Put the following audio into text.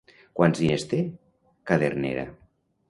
Quants diners té Cadernera?